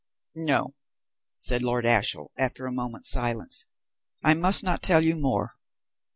"No," said Lord Ashiel, after a moment's silence, "I must not tell you more.